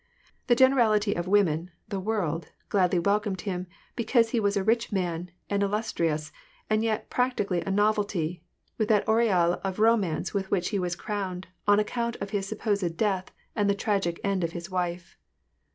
The generality of women, the world, gladly welcomed him, because he was a rich man, and illustri ous, and yet practically a novelty, with that aureole of romance with which he was crowned, on account of his supposed death, and the tragic end of his wife.